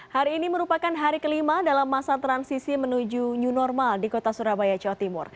hari ini merupakan hari kelima dalam masa transisi menuju new normal di kota surabaya jawa timur